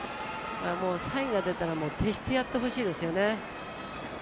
サインが出たら徹してやってほしいですよね。